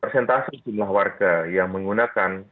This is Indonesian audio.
persentase jumlah warga yang menggunakan